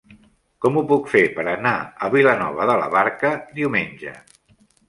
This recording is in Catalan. Com ho puc fer per anar a Vilanova de la Barca diumenge?